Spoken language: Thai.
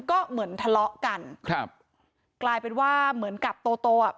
ก็เหมือนทะเลาะกันครับกลายเป็นว่าเหมือนกับโตโตอ่ะ